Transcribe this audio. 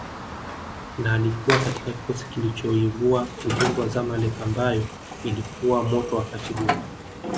na alikuwa katika kikosi kilichoivua ubingwa Zamaleck ambayo ilikuwa moto wakati huo